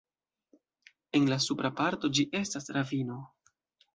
En la supra parto ĝi estas ravino.